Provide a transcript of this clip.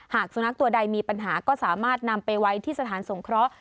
สุนัขตัวใดมีปัญหาก็สามารถนำไปไว้ที่สถานสงเคราะห์